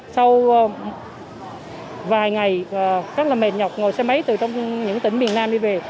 sau vài ngày rất là mệt nhọc ngồi xe máy từ trong những tỉnh miền nam đi về